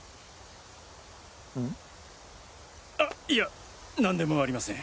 あいや何でもありません。